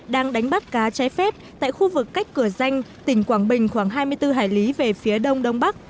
đang đánh bắt cá trái phép tại khu vực cách cửa danh tỉnh quảng bình khoảng hai mươi bốn hải lý về phía đông đông bắc